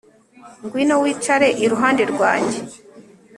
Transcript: ngwino wicare iruhande rwanjye